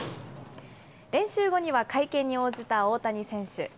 練習後には会見に応じた大谷選手。